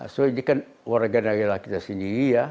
soalnya ini kan warganegara kita sendiri ya